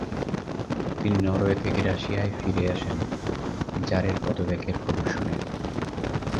তিনি নরওয়ে থেকে রাশিয়ায় ফিরে আসেন, জারের পদত্যাগের খবর শুনে।